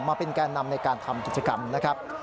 มาเป็นแก่นำในการทำกิจกรรมนะครับ